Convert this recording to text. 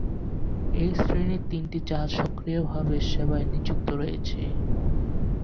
এই শ্রেণির তিনটি জাহাজ সক্রিয়ভাবে সেবায় নিযুক্ত রয়েছে।